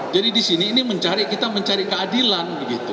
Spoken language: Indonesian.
jadi di sini ini mencari kita mencari keadilan